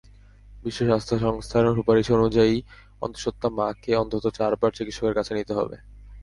বিশ্ব স্বাস্থ্য সংস্থার সুপারিশ অনুযায়ী, অন্তঃসত্ত্বা মাকে অন্তত চারবার চিকিৎসকের কাছে নিতে হবে।